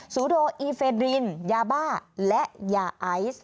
ซูโดอีเฟดรินยาบ้าและยาไอซ์